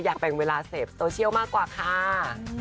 แบ่งเวลาเสพโซเชียลมากกว่าค่ะ